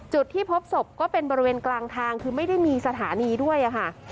จุดที่พบศพก็เป็นบริเวณกลางทางคือไม่ได้มีสถานีด้วยค่ะ